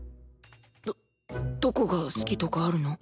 どどこが好きとかあるの？